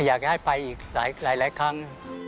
อยากให้ไปอีกหลายครั้ง